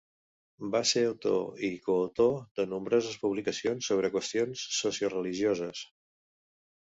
Va ser autor i coautor de nombroses publicacions sobre qüestions socioreligioses.